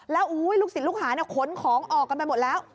ลูกศีลลูกหาขนของออกกันไปหมดแล้ว